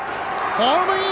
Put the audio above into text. ホームイン！